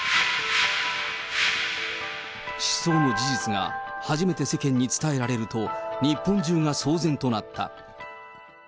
失踪の事実が初めて世間に伝えられると、日本中が騒然となった。